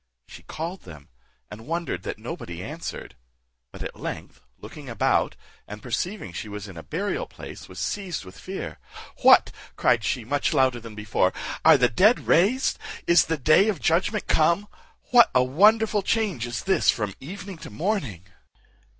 She called them, and wondered that nobody answered; but at length looking about, and perceiving she was in a burial place, was seized with fear. "What," cried she, much louder than before, "are the dead raised? Is the day of judgment come? What a wonderful change is this from evening to morning?"